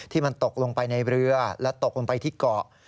ที่มันตกลงไปในเรือและตกลงไปที่เกาะ